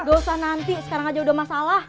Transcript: dosa nanti sekarang aja udah masalah